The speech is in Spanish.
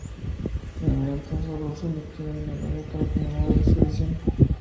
El Almirantazgo ruso emitió una medalla para conmemorar la expedición.